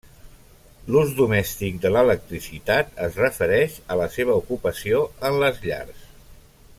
L'ús domèstic de l'electricitat es refereix a la seva ocupació en les llars.